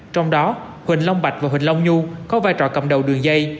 trong đó huỳnh long bạch và huỳnh long nhu có vai trò cầm đầu đường dây